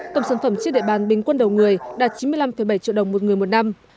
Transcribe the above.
tổng sản phẩm trên địa bàn bình quân đầu người đạt chín mươi năm bảy triệu đồng một người một năm